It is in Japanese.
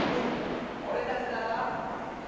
俺たちなら。